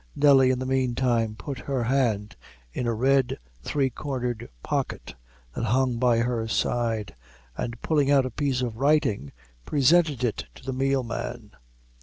Nelly, in the meantime, put her hand in a red, three cornered pocket that hung by her side, and pulling out a piece of writing, presented it to the meal man.